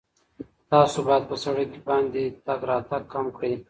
تاسو باید په سړک باندې تګ راتګ کم کړئ.